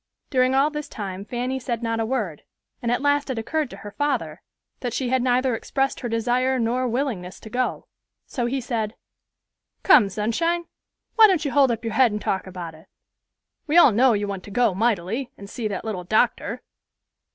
During all this time Fanny said not a word; and at last it occurred to her father that she had neither expressed her desire nor willingness to go; so he said, "Come, Sunshine, why don't you hold up your head and talk about it? We all know you want to go mightily, and see that little doctor."